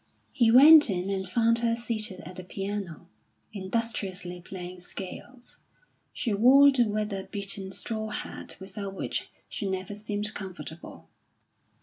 He went in and found her seated at the piano, industriously playing scales. She wore the weather beaten straw hat without which she never seemed comfortable.